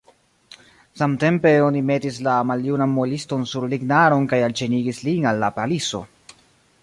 Samtempe oni metis la maljunan mueliston sur lignaron kaj alĉenigis lin al la paliso.